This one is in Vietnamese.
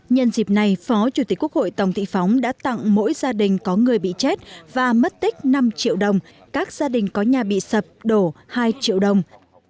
nhân dịp này phó chủ tịch quốc hội tổng thị phóng đã tặng mỗi gia đình có người bị chết và mất tích năm triệu đồng các gia đình có nhà bị sập đổ hai triệu đồng